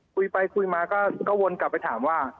คุยไปคุยมาก็วนกลับไปถามว่า